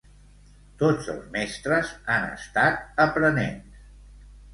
Tots els mestres han estat aprenents.